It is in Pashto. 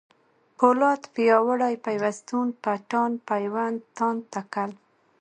پولاد ، پیاوړی ، پيوستون ، پټان ، پېوند ، تاند ، تکل